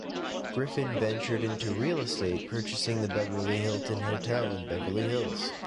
Griffin ventured into real estate, purchasing the Beverly Hilton Hotel in Beverly Hills.